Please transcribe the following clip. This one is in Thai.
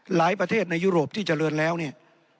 ประเทศในยุโรปที่เจริญแล้วเนี่ย